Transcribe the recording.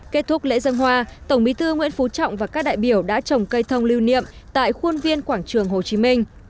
kết thúc lễ dân hoa tổng bí thư nguyễn phú trọng và các đại biểu đã trồng cây thông lưu niệm tại khuôn viên quảng trường hồ chí minh